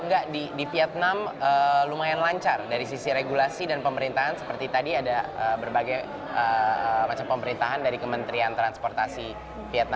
enggak di vietnam lumayan lancar dari sisi regulasi dan pemerintahan seperti tadi ada berbagai macam pemerintahan dari kementerian transportasi vietnam